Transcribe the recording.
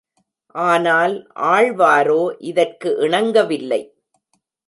ஆனால் ஆழ்வாரோ இதற்கு இணங்கவில்லை.